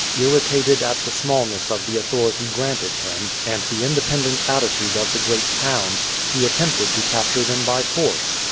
Irritated at the smallness of the authority granted him, and the independent attitude of the great towns, he attempted to capture them by force.